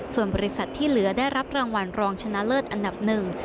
ส่วนบริษัทที่เหลือได้รับรางวัลรองชนะเลิศอันดับหนึ่ง